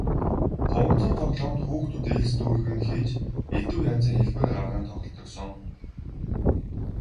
Хуванцар тоглоомд хүүхдүүд элс дүүргэн хийж элдэв янзын хэлбэр гарган тоглодог сон.